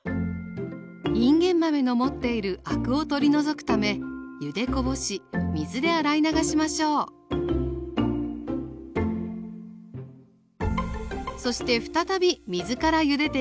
いんげん豆の持っているアクを取り除くためゆでこぼし水で洗い流しましょうそして再び水からゆでていきます。